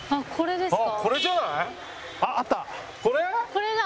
これだ。